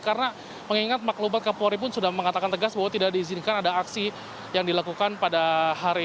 karena mengingat maklumat kapolri pun sudah mengatakan tegas bahwa tidak diizinkan ada aksi yang dilakukan pada hari ini